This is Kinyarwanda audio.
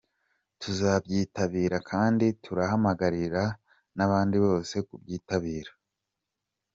Tuzabyitabira kandi turahamagarira n’abandi bose kubyitabira.